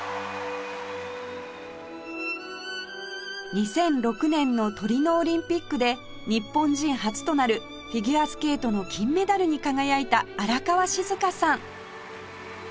２００６年のトリノオリンピックで日本人初となるフィギュアスケートの金メダルに輝いた荒川静香さん